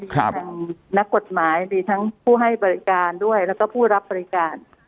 ทางนักกฎหมายมีทั้งผู้ให้บริการด้วยแล้วก็ผู้รับบริการ